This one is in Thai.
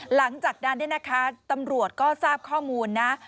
หลังจากนั้นตำรวจก็ทราบข้อมูลนะ